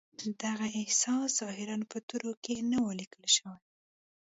دغه احساس ظاهراً په تورو کې نه و ليکل شوی.